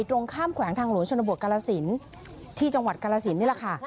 ตรงข้ามแขวงทางหลวงชนบทกรสินที่จังหวัดกาลสินนี่แหละค่ะ